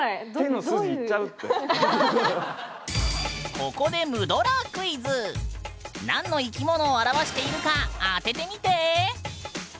ここで何の生き物を表しているか当ててみて！